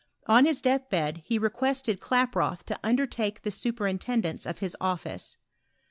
On his deathbed he requested Klaproth to undertake the superintendence of his office.